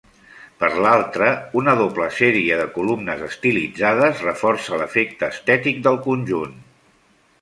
Per l'altre, una doble sèrie de columnes estilitzades reforça l'efecte estètic del conjunt.